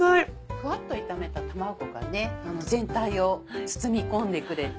ふわっと炒めた卵が全体を包み込んでくれて。